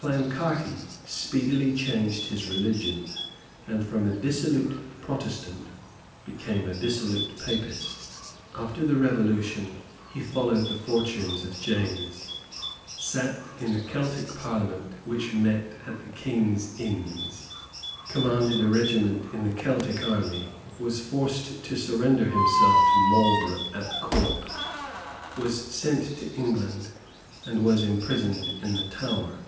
Clancarty speedily changed his religion, and from a dissolute Protestant became a dissolute Papist. After the Revolution he followed the fortunes of James; sate in the Celtic Parliament which met at the King's Inns; commanded a regiment in the Celtic army; was forced to surrender himself to Marlborough at Cork; was sent to England, and was imprisoned in the Tower.